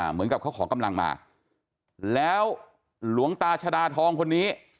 เหมือนกับเขาขอกำลังมาแล้วหลวงตาชดาทองคนนี้